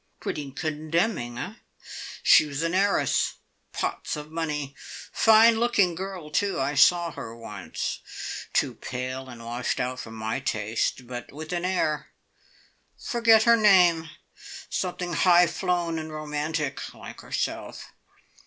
"Pretty condemning, eh? She was an heiress pots of money. Fine looking girl, too. I saw her once. Too pale and washed out for my taste, but with an air. Forget her name something high flown and romantic, like herself.